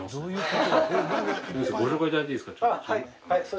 はい。